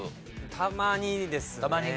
たまにですね。